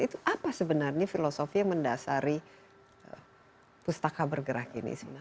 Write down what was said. itu apa sebenarnya filosofi yang mendasari pustaka bergerak ini sebenarnya